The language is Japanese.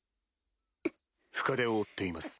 深手を負っています。